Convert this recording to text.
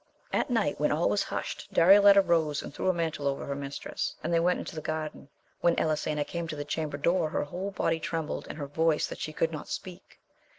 T night when all was husht, Darioleta rose,]a,nd threw a mantle over her mistress, and they went into the garden. When Elisena came to the chamber door her whole body trembled, and her voice that she could not speak.